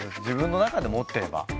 自分の中で持ってれば。